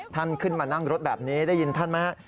ท่านขึ้นมานั่งรถแบบนี้ได้ยินท่านไหมฮะ